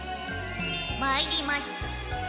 まいりました。